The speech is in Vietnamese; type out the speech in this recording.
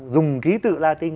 dùng ký tự latin